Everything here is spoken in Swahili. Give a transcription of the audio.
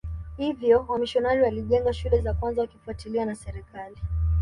Hivyo wamisionari walijenga shule za kwanza wakifuatiliwa na serikali